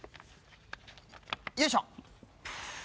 よいしょ。